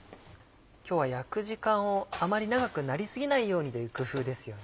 今日は焼く時間をあまり長くなり過ぎないようにという工夫ですよね。